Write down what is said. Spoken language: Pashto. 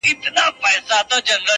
o خوبيا هم ستا خبري پټي ساتي ـ